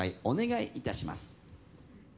お願いいたします